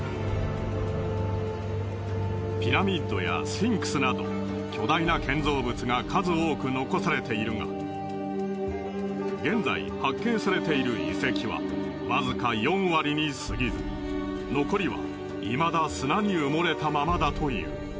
ピラミッドやスフィンクスなど巨大な建造物が数多く残されているが現在発見されている遺跡はわずか４割に過ぎず残りはいまだ砂に埋もれたままだという。